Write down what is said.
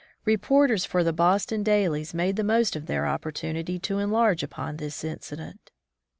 Reporters for the Boston dailies made the most of their opportunity to enlarge upon this incident.